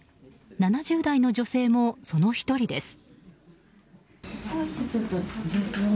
７０代の女性もその１人です。